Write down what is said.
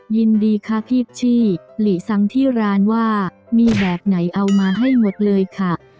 ยินดีค่ะพี่ชี่หลีสังที่ร้านว่ามีแบบไหนเอามาให้หมดเลยค่ะ